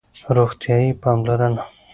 روغتیایی پاملرنه